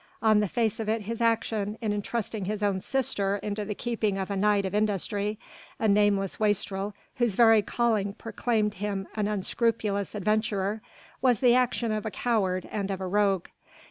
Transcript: On the face of it his action in entrusting his own sister into the keeping of a knight of industry, a nameless wastrel whose very calling proclaimed him an unscrupulous adventurer, was the action of a coward and of a rogue.